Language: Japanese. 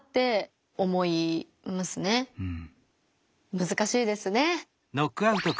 むずかしいですね。